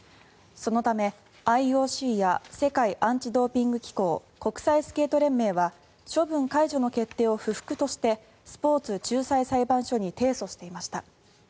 そのためＩＯＣや世界アンチ・ドーピング機構国際スケート連盟は処分解除の決定を不服としてスポーツ仲裁裁判所に提訴していました。